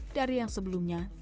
dari yang sebelumnya